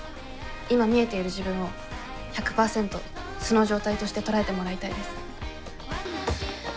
今見えている自分を１００％素の状態として捉えてもらいたいです。